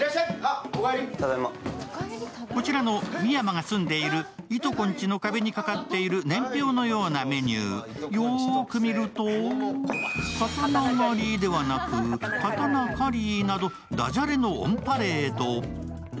こちらの深山が住んでいるいとこんちの壁にかかっている年表のようなメニュー、よーく見ると、刀狩りではなく、刀カリーなどダジャレのオンパレード。